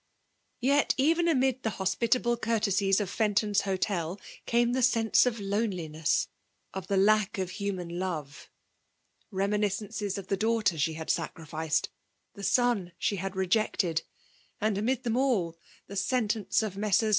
Yet, even amid the hospitable courtesies of Fen ton's Hotel, came the sense of loneiines» — of the lack of human love ;— reminiseenees of the daughter she had sacrificed — ^the son she had rejected ; and amid them all, the sentence of Messrs.